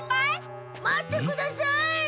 待ってください！